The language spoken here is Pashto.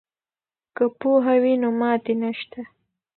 که پوهه وي نو ماتې نشته.